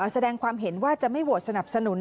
แสดงความเห็นว่าจะไม่โหวตสนับสนุน